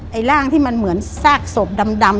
ร่างที่มันเหมือนซากศพดำ